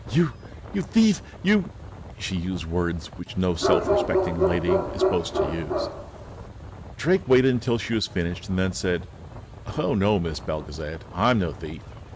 "You you thief! You " She used words which no self respecting lady is supposed to use. Drake waited until she had finished, and then said: "Oh, no, Miss Belgezad; I'm no thief.